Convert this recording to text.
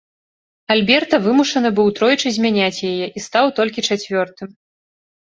Альберта вымушаны быў тройчы змяняць яе, і стаў толькі чацвёртым.